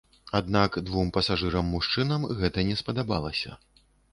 Аднак двум пасажырам-мужчынам гэта не спадабалася.